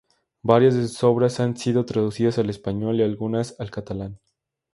Varias de sus obras han sido traducidas al español y, algunas, al catalán.